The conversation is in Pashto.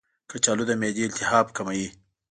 کچالو د معدې التهاب کموي.